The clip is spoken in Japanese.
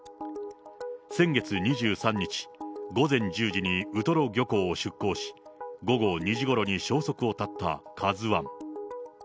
先月２３日午前１０時にウトロ漁港を出航し、午後２時ごろに消息を絶ったカズワン。